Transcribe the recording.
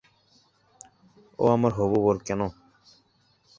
ও আমার হবু বর কেন?